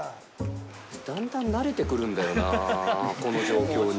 だんだん慣れてくるんだよなぁ、この状況に。